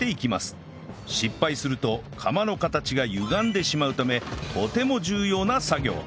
失敗すると釜の形がゆがんでしまうためとても重要な作業